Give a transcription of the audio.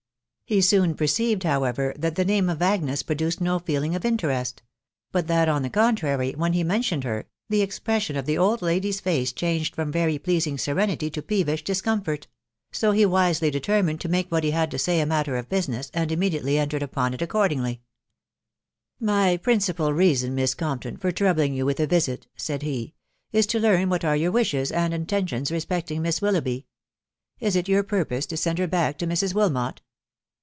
He soon perceived, how •ever, that the name of Agnes produced no feeling of interest; tout that, on the contrary, when he mentioned her, the expres sion of the old lady's face changed from very pleasing serenity to peevish discomfort ; so he wisely determined to make what fte'had to say* matter of business, and immediately entered *tpon it accordingly. OTE '/WIDOW BARN ADV. 68 < My principal reason, Miss Compton, for troubling you with a visit/' said he, " is/todeasn whatiace your wishes and intentions respecting Miss Willoughby. Is it your purpose to tend her back 4fe Mrs. Wilmot